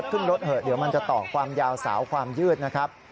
ขึ้นรถเหอะเดี๋ยวมันจะต่อความยาวสาวความยืดนะครับ